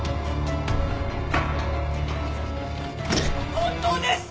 本当です！